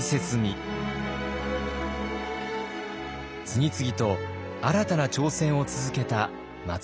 次々と新たな挑戦を続けた松本清張。